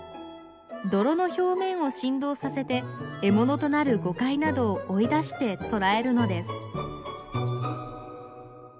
泥の表面を振動させて獲物となるゴカイなどを追い出して捕らえるのです。